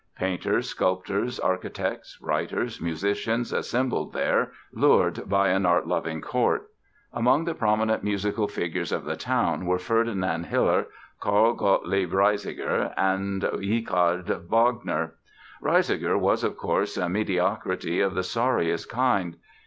Painters, sculptors, architects, writers, musicians assembled there, lured by an art loving Court. Among the prominent musical figures of the town were Ferdinand Hiller, Karl Gottlieb Reissiger and Richard Wagner. Reissiger was, of course, a mediocrity of the sorriest kind.